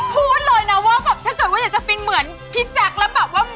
พูดเลยนะว่าแบบถ้าเกิดว่าอยากจะฟินเหมือนพี่แจ๊คแล้วแบบว่า